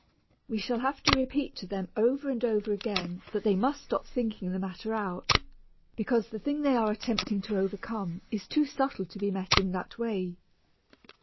We shall have to repeat to them over and over again that they must stop thinking the matter out, because the thing they are attempting to overcome is too subtle to be met in that way.